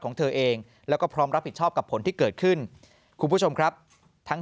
ของเธอเองแล้วก็พร้อมรับผิดชอบกับผลที่เกิดขึ้นคุณผู้ชมครับทั้ง